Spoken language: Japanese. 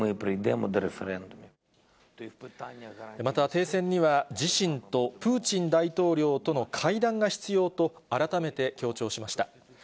また、停戦には自身とプーチン大統領との会談が必要と、改めて強調しました。